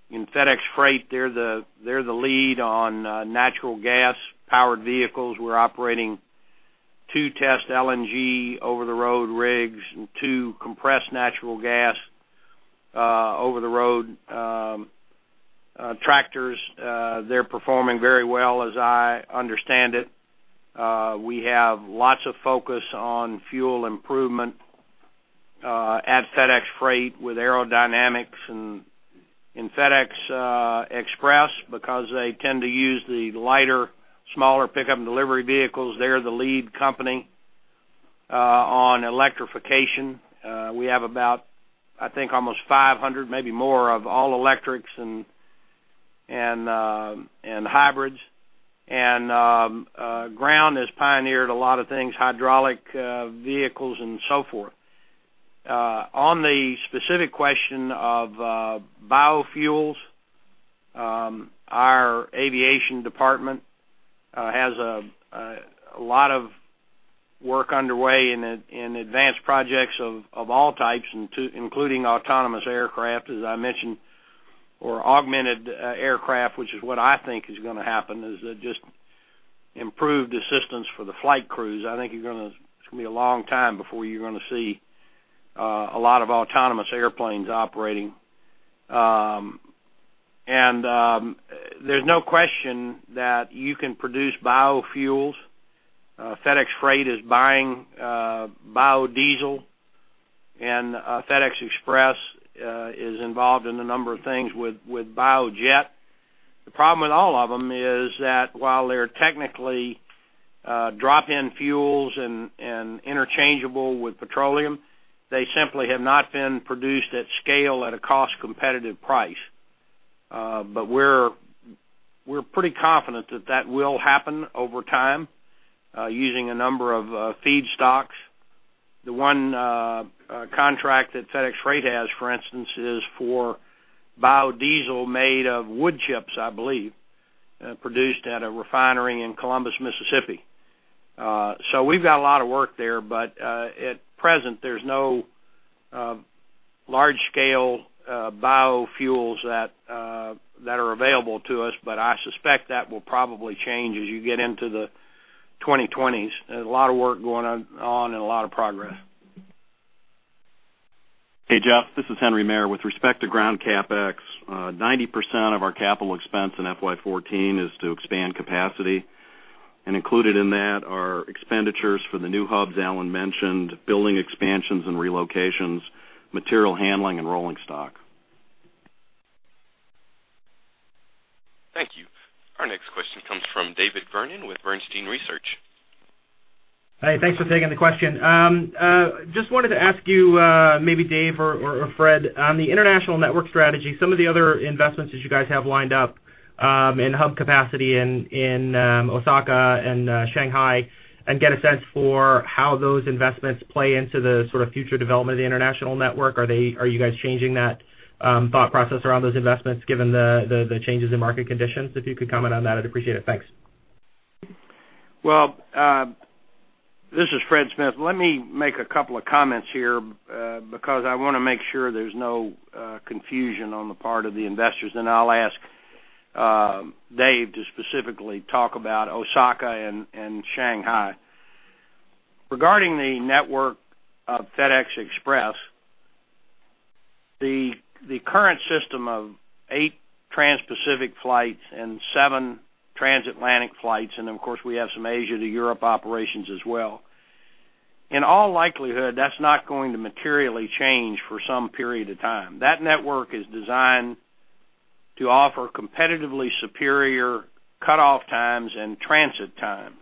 In FedEx Freight, they're the lead on natural gas-powered vehicles. We're operating two test LNG over-the-road rigs and two compressed natural gas over-the-road tractors. They're performing very well, as I understand it. We have lots of focus on fuel improvement at FedEx Freight with aerodynamics and in FedEx Express because they tend to use the lighter, smaller pickup and delivery vehicles. They're the lead company on electrification. We have about, I think, almost 500, maybe more of all electrics and hybrids. Ground has pioneered a lot of things, hydraulic vehicles and so forth. On the specific question of biofuels, our aviation department has a lot of work underway in advanced projects of all types, including autonomous aircraft, as I mentioned, or augmented aircraft, which is what I think is going to happen, is just improved assistance for the flight crews. I think it's going to be a long time before you're going to see a lot of autonomous airplanes operating. And there's no question that you can produce biofuels. FedEx Freight is buying biodiesel, and FedEx Express is involved in a number of things with biojet. The problem with all of them is that while they're technically drop-in fuels and interchangeable with petroleum, they simply have not been produced at scale at a cost-competitive price. But we're pretty confident that that will happen over time using a number of feedstocks. The one contract that FedEx Freight has, for instance, is for biodiesel made of wood chips, I believe, produced at a refinery in Columbus, Mississippi. So we've got a lot of work there. But at present, there's no large-scale biofuels that are available to us. But I suspect that will probably change as you get into the 2020s. A lot of work going on and a lot of progress. Hey, Jeff. This is Henry Maier. With respect to Ground CapEx, 90% of our capital expense in FY 2014 is to expand capacity. And included in that are expenditures for the new hubs Alan mentioned, building expansions and relocations, material handling, and rolling stock. Thank you. Our next question comes from David Vernon with Bernstein Research. Hey, thanks for taking the question. Just wanted to ask you, maybe Dave or Fred, on the international network strategy, some of the other investments that you guys have lined up in hub capacity in Osaka and Shanghai, and get a sense for how those investments play into the sort of future development of the international network. Are you guys changing that thought process around those investments given the changes in market conditions? If you could comment on that, I'd appreciate it. Thanks. Well, this is Fred Smith. Let me make a couple of comments here because I want to make sure there's no confusion on the part of the investors. I'll ask Dave to specifically talk about Osaka and Shanghai. Regarding the network of FedEx Express, the current system of 8 Trans-Pacific flights and 7 Trans-Atlantic flights, and of course, we have some Asia to Europe operations as well, in all likelihood, that's not going to materially change for some period of time. That network is designed to offer competitively superior cutoff times and transit times.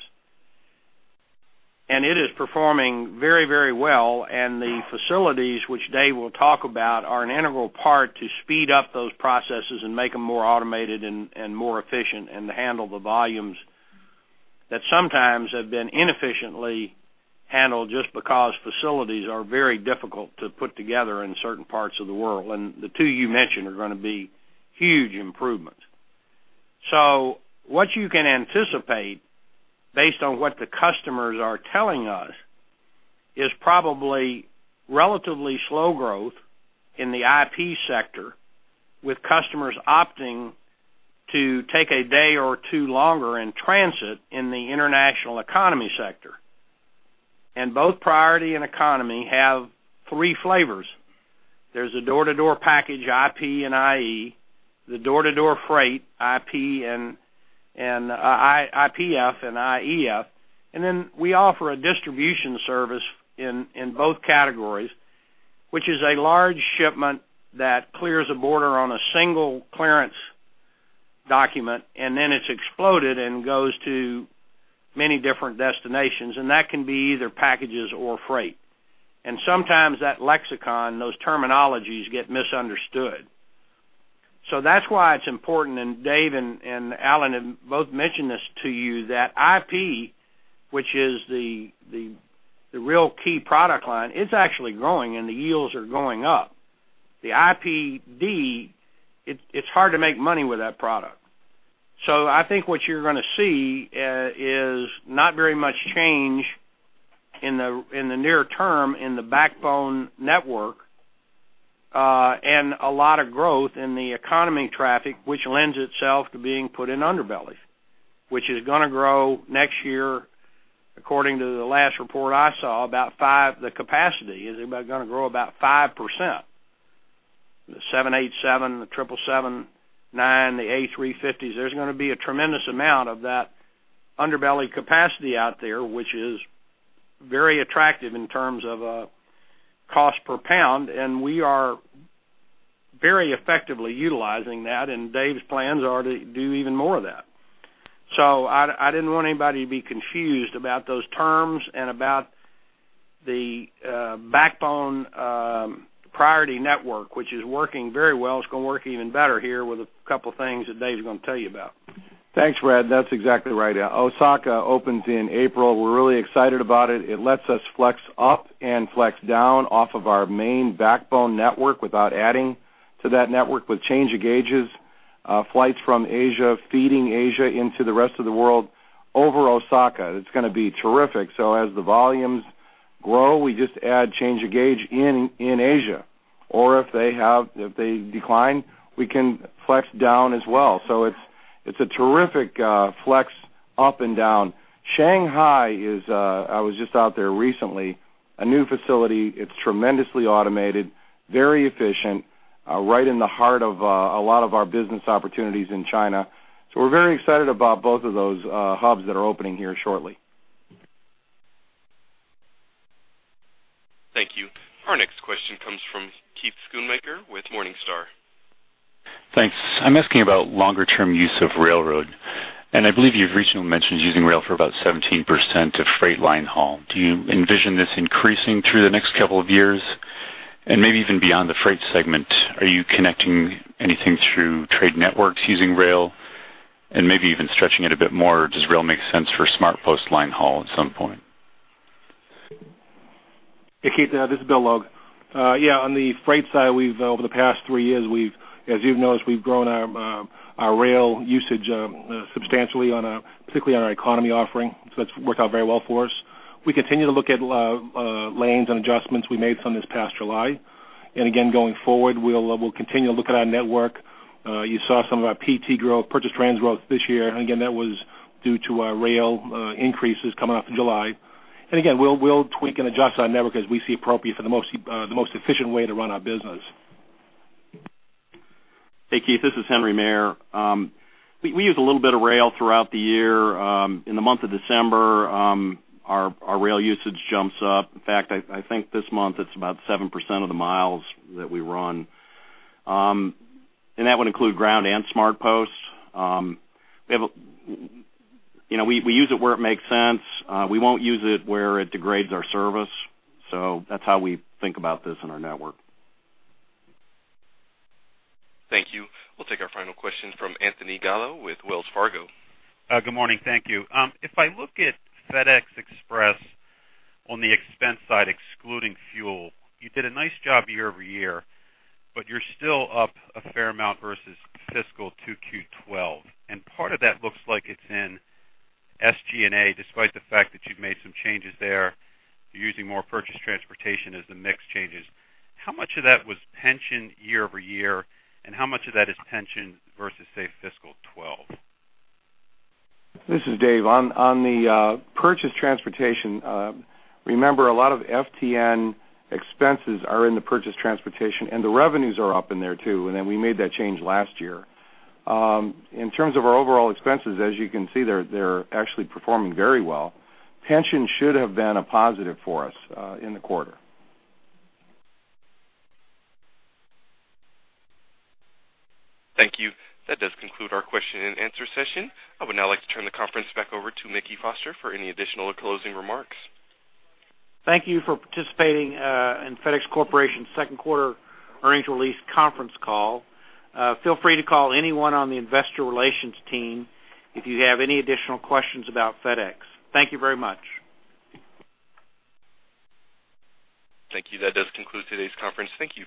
It is performing very, very well. The facilities, which Dave will talk about, are an integral part to speed up those processes and make them more automated and more efficient and to handle the volumes that sometimes have been inefficiently handled just because facilities are very difficult to put together in certain parts of the world. The two you mentioned are going to be huge improvements. What you can anticipate based on what the customers are telling us is probably relatively slow growth in the IP sector with customers opting to take a day or two longer in transit in the International Economy sector. Both Priority and Economy have three flavors. There's a door-to-door package, IP and IE, the door-to-door freight, IPF and IEF. Then we offer a distribution service in both categories, which is a large shipment that clears a border on a single clearance document, and then it's exploded and goes to many different destinations. That can be either packages or freight. Sometimes that lexicon, those terminologies get misunderstood. So that's why it's important. Dave and Alan have both mentioned this to you, that IP, which is the real key product line, is actually growing and the yields are going up. The IPD, it's hard to make money with that product. So I think what you're going to see is not very much change in the near term in the backbone network and a lot of growth in the Economy traffic, which lends itself to being put in underbellies, which is going to grow next year, according to the last report I saw, about 5. The capacity is going to grow about 5%. The 787, the 777, the A350s, there's going to be a tremendous amount of that underbelly capacity out there, which is very attractive in terms of cost per pound. And we are very effectively utilizing that. And Dave's plans are to do even more of that. So I didn't want anybody to be confused about those terms and about the backbone Priority network, which is working very well. It's going to work even better here with a couple of things that Dave's going to tell you about. Thanks, Fred. That's exactly right. Osaka opens in April. We're really excited about it. It lets us flex up and flex down off of our main backbone network without adding to that network with change of gauges, flights from Asia feeding Asia into the rest of the world over Osaka. It's going to be terrific. So as the volumes grow, we just add change of gauge in Asia. Or if they decline, we can flex down as well. So it's a terrific flex up and down. Shanghai is, I was just out there recently, a new facility. It's tremendously automated, very efficient, right in the heart of a lot of our business opportunities in China. So we're very excited about both of those hubs that are opening here shortly. Thank you. Our next question comes from Keith Schoonmaker with Morningstar. Thanks. I'm asking about longer-term use of railroad. And I believe you've recently mentioned using rail for about 17% of Freight line haul. Do you envision this increasing through the next couple of years? And maybe even beyond the Freight segment, are you connecting anything through Trade Networks using rail? And maybe even stretching it a bit more, does rail make sense for SmartPost line haul at some point? Hey, Keith, this is Bill Logue. Yeah, on the Freight side, over the past three years, as you've noticed, we've grown our rail usage substantially, particularly on our Economy offering. So that's worked out very well for us. We continue to look at lanes and adjustments. We made some this past July. And again, going forward, we'll continue to look at our network. You saw some of our PT growth, Purchased Transportation growth this year. And again, that was due to rail increases coming off of July. And again, we'll tweak and adjust our network as we see appropriate for the most efficient way to run our business. Hey, Keith, this is Henry Maier. We use a little bit of rail throughout the year. In the month of December, our rail usage jumps up. In fact, I think this month it's about 7% of the miles that we run. And that would include Ground and SmartPost. We use it where it makes sense. We won't use it where it degrades our service. So that's how we think about this in our network. Thank you. We'll take our final question from Anthony Gallo with Wells Fargo. Good morning. Thank you. If I look at FedEx Express on the expense side, excluding fuel, you did a nice job year-over-year, but you're still up a fair amount versus fiscal 2Q 2012. Part of that looks like it's in SG&A, despite the fact that you've made some changes there. You're using more Purchased Transportation as the mix changes. How much of that was pension year-over-year? And how much of that is pension versus, say, fiscal 2012? This is Dave. On the Purchased Transportation, remember a lot of FTN expenses are in the Purchased Transportation, and the revenues are up in there too. Then we made that change last year. In terms of our overall expenses, as you can see, they're actually performing very well. Pension should have been a positive for us in the quarter. Thank you. That does conclude our question-and-answer session. I would now like to turn the conference back over to Mickey Foster for any additional closing remarks. Thank you for participating in FedEx Corporation's Second Quarter Earnings Release Conference Call. Feel free to call anyone on the Investor Relations team if you have any additional questions about FedEx. Thank you very much. Thank you. That does conclude today's conference. Thank you.